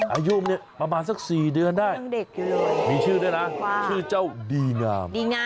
อายุเนี่ยประมาณสัก๔เดือนได้มีชื่อด้วยนะชื่อเจ้าดีงาม